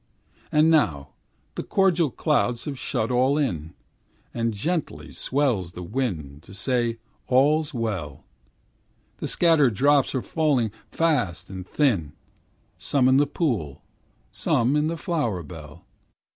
And now the cordial clouds have shut all in, And gently swells the wind to say all's well; The scattered drops are falling fast and thin, Some in the pool, some in the flower bell.